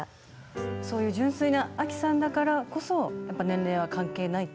そういう純粋なアキさんだからこそやっぱ年齢は関係ないって。